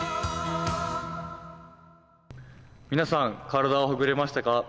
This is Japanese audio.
皆さん、体はほぐれましたか？